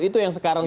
itu yang sekarang